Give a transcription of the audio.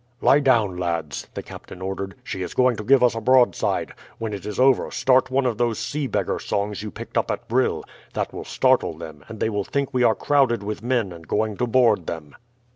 "Lie down, lads," the captain ordered, "she is going to give us a broadside. When it is over start one of those sea beggar songs you picked up at Brill; that will startle them, and they will think we are crowded with men and going to board them."